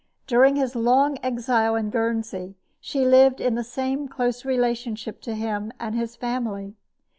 During his long exile in Guernsey she lived in the same close relationship to him and to his family.